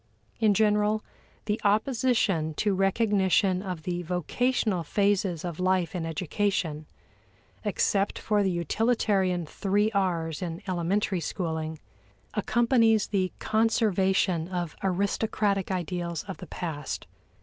In general, the opposition to recognition of the vocational phases of life in education (except for the utilitarian three R's in elementary schooling) accompanies the conservation of aristocratic ideals of the past.